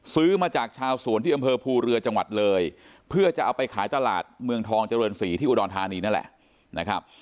ซื้อมาจากชาวสวนที่อำเภอภูเรือจังหวัดเลยเพื่อจะเอาไปขายตลาดเมืองทองเจริญศรีที่อุดรธานีนั่นแหละนะครับ